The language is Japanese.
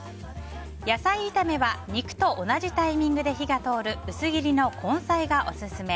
野菜炒めは肉と同じタイミングで火が通る薄切りの根菜がオススメ。